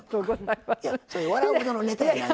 いや笑うほどのネタやない。